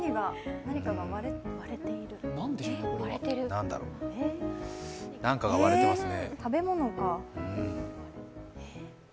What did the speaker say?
なんだろう、何かが割れていますね。